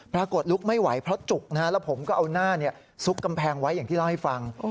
ปรากฏลุกไม่ไหวเพราะจุกแล้วผมก็เอาหน้าซุกกำแพงไว้อย่างที่เล่าให้ฟัง